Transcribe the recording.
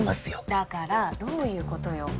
だからどういうことよ。